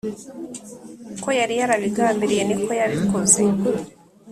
uko yari yarabigambiriye niko yabikoze